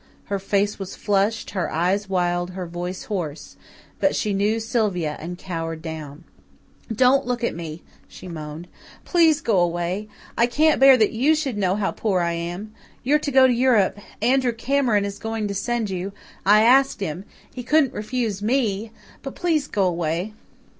Her face was flushed, her eyes wild, her voice hoarse. But she knew Sylvia and cowered down. "Don't look at me," she moaned. "Please go away I can't bear that YOU should know how poor I am. You're to go to Europe Andrew Cameron is going to send you I asked him he couldn't refuse ME. But please go away."